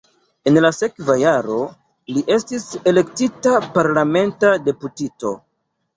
En la sekva jaro li estis elektita parlamenta deputito.